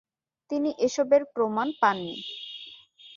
তিনি এসবের প্রমাণ পান নি।